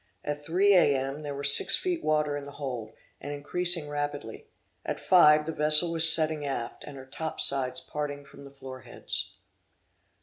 At three A. M. there were six feet water in the hold, and increasing rapidly; at five the vessel was setting aft, and her top sides parting from the floor heads.